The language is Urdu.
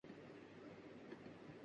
سرزمین ہے